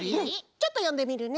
ちょっとよんでみるね。